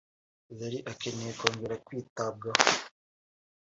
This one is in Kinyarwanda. “Zari akeneye kongera kwitabwaho